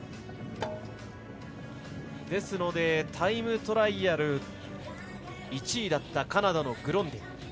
タイムトライアル１位だったカナダのグロンディン